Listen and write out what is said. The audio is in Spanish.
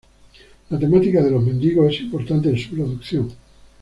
La temática de los mendigos es importante en su producción.